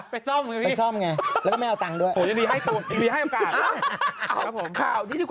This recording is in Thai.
ไปซ่อมไงพี่